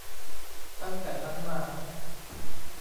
ตั้งแต่นั้นมา